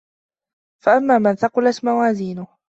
فَأَمّا مَن ثَقُلَت مَوازينُهُ